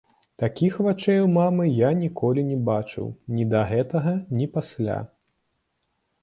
Такіх вачэй у мамы я ніколі не бачыў, ні да гэтага, ні пасля.